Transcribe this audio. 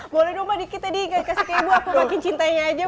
boleh dong mbak dikit tadi nggak kasih ke ibu aku makin cintanya aja pak